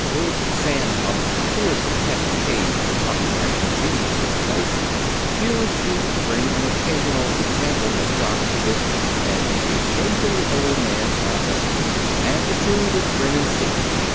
Big Sam Hupp, who was the pet caged copy writing genius of the place, used even to bring an occasional example of Jock's business badinage into the Old Man's office, and the two would grin in secret.